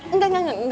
enggak enggak enggak